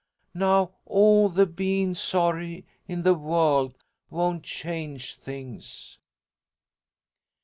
Now all the bein' sorry in the world won't change things!"